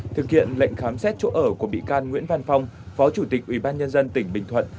thực hiện lệnh khám xét chỗ ở của bị can nguyễn văn phong phó chủ tịch ubnd tỉnh bình thuận